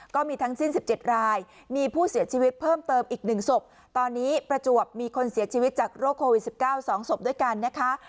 ก็มีทั้งสิ้น๑๗รายมีผู้เสียชีวิตเพิ่มเติมอีก๑ศพตอนนี้ประจวบมีคนเสียชีวิตจากโรคโควิด๑๙๒ศพด้วยกันนะคะ